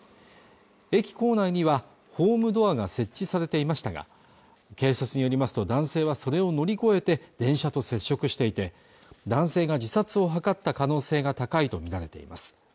駅構内にはホームドアが設置されていましたが警察によりますと男性はそれを乗り越えて電車と接触していて男性が自殺を図った可能性が高いと見られています